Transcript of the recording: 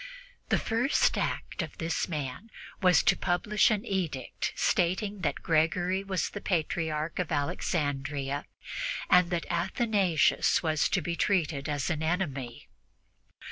The first act of this man was to publish an edict stating that Gregory was the Patriarch of Alexandria and that Athanasius was to be treated as an enemy.